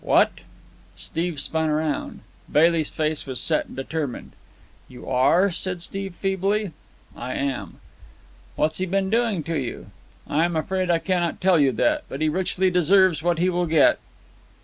"What!" Steve spun round. Bailey's face was set and determined. "You are?" said Steve feebly. "I am." "What's he been doing to you?" "I am afraid I cannot tell you that. But he richly deserves what he will get."